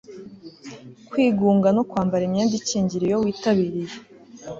kwigunga no kwambara imyenda ikingira iyo witabiriye